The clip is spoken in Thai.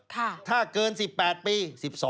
ถ้าเกิน๑๘ปี๑๒